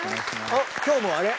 あっ今日もあれ？